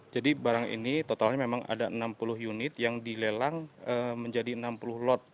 jadi barang ini totalnya memang ada enam puluh unit yang dilelang menjadi enam puluh lot